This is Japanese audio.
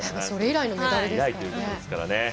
それ以来のメダルですからね。